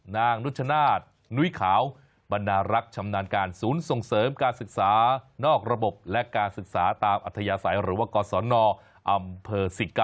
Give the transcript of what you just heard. นุชนาศนุ้ยขาวบรรดารักษ์ชำนาญการศูนย์ส่งเสริมการศึกษานอกระบบและการศึกษาตามอัธยาศัยหรือว่ากศนอำเภอ๑๙